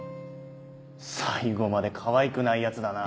最後までかわいくないヤツだな。